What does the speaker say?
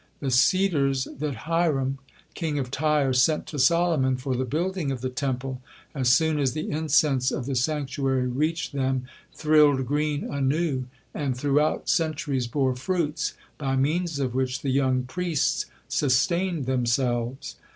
The cedars that Hiram, king of Tyre, sent to Solomon for the building of the Temple, as soon as the incense of the sanctuary reached them, thrilled green anew, and throughout centuries bore fruits, by means of which the young priests sustained themselves.